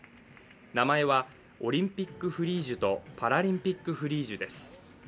名前はオリンピック・フリージュとパラリンピック・フリージュです。